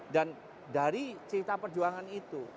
dan dari cerita perjuangan itu